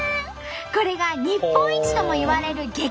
これが日本一ともいわれる激